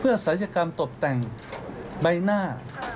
เพื่อสัยกรรมตบแต่งใบหน้า